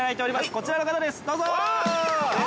こちらの方です、どうぞ。